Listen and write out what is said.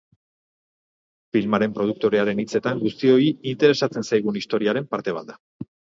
Filmaren produktorearen hitzetan guztioi interesatzenzaigun historiaren parte bat da.